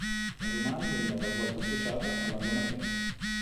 Dai romani veniva talvolta associata alla Bona Dea.